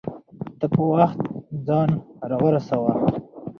ته په وخت ځان راورسوه